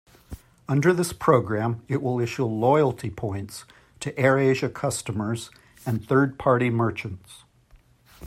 Under this programme it will issue loyalty points to AirAsia customers and third-party merchants.